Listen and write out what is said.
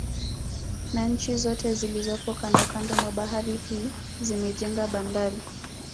Na nchi zote zilizopo kandokando mwa bahari hii zimejenga bandari